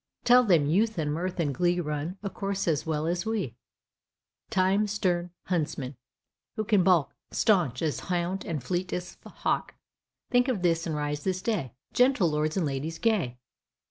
Tell them youth and mirth and glee Run a course as well as we; Time, stern huntsman! who can baulk, Staunch as hound and fleet as hawk; Think of this, and rise with day, Gentle lords and ladies gay!